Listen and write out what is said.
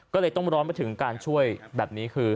ก็เลยต้องร้อนไปถึงการช่วยแบบนี้คือ